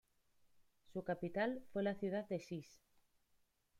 Su capital fue la ciudad de Sis.